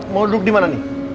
mau duduk dimana nih